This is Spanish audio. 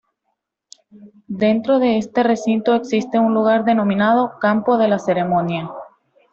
Dentro de este recinto existe un lugar denominado Campo de la Ceremonia.